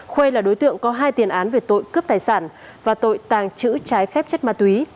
khuê là đối tượng có hai tiền án về tội cướp tài sản và tội tàng trữ trái phép chất ma túy